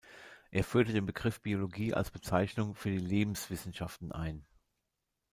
Er führte den Begriff Biologie als Bezeichnung für die „Lebenswissenschaften“ ein.